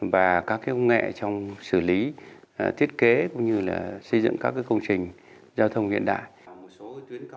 và các công nghệ trong xử lý thiết kế cũng như là xây dựng các công trình giao thông hiện đại